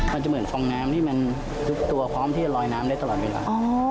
มันจะเหมือนฟองน้ำที่มันทุกตัวพร้อมที่จะลอยน้ำได้ตลอดเวลา